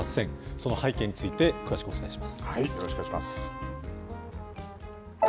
その背景について詳しくお伝えしよろしくお願いします。